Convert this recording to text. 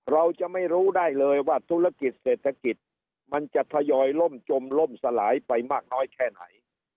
เราจะไม่รู้ได้เลยว่าธุรกิจเศรษฐกิจมันจะทยอยล่มจมล่มสลายไปมากน้อยแค่ไหน